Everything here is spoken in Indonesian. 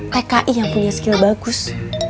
tki yang punya skill bagus